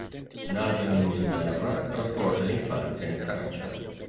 Nato in Inghilterra, trascorse l'infanzia in Francia.